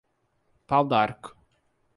Pau-d'Arco